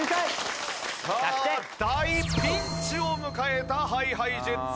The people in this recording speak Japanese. さあ大ピンチを迎えたＨｉＨｉＪｅｔｓ